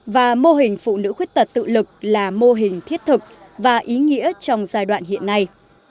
và mô hình phụ nữ khuyết tật tự lực là mô hình thiết thực và ý nghĩa trong giai đoạn hiện nay